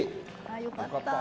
よかった！